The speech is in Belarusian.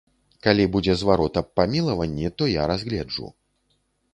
Калі будзе зварот аб памілаванні, то я разгледжу.